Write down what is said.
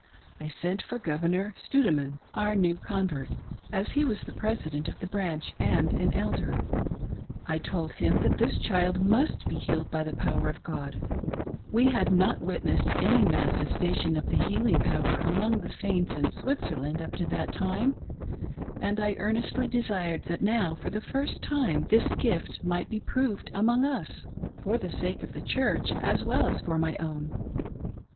I sent for Governor Stoudeman — our new con vert— as he was the President of the branch and an Elder. I told him that this child mtist be healed by the power of God, We had not witnessed any manifestation of the healing power among the Saints in Switzerland, up to that time, and I ear nestly desired that now for the first time this gift might be proved among us, for the sake of the Church as well as for my own.